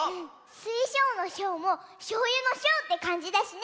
スイショウのショウもしょうゆのしょうってかんじだしね！